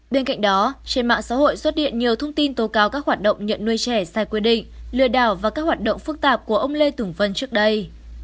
bên cạnh đó trên mạng xã hội xuất hiện nhiều thông tin tố cáo các hoạt động nhận nuôi trẻ sai quy định lừa đảo và các hoạt động phức tạp của ông lê tùng vân trước đây